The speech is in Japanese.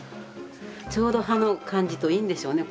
ちょうど歯の感じといいんでしょうね。